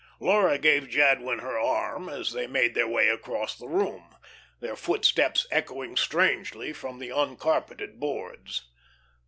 Laura gave Jadwin her arm as they made their way across the room their footsteps echoing strangely from the uncarpeted boards.